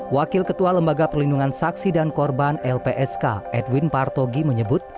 wakil ketua lembaga perlindungan saksi dan korban lpsk edwin partogi menyebut